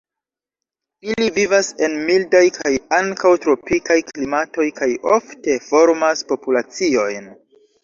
Ili vivas en mildaj kaj ankaŭ tropikaj klimatoj kaj ofte formas populaciojn.